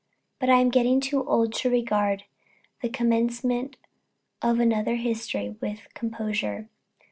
But I am getting too old to regard the commencement of another history with composure.